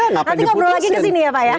nanti ngobrol lagi kesini ya pak ya